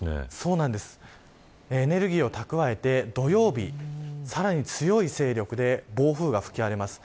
エネルギーを蓄えて土曜日、さらに強い勢力で暴風が吹き荒れます。